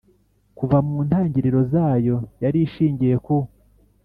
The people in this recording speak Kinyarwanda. kuva mu ntangiriro zayo, yari ishingiye ku